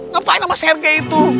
ngapain sama sergei itu